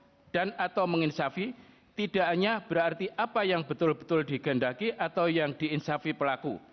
atau menginsafi tidak hanya berarti apa yang betul betul digendaki atau yang diinsafi pelaku